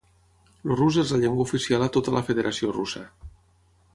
El rus és la llengua oficial a tota la Federació Russa.